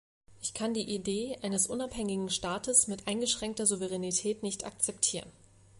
Ich kann die Idee eines unabhängigen Staates mit eingeschränkter Souveränität nicht akzeptieren.